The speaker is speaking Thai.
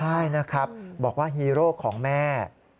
ใช่นะครับบอกว่าฮีโร่ของแม่